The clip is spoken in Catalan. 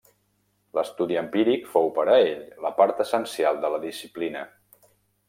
L'estudi empíric fou, per a ell, la part essencial de la disciplina.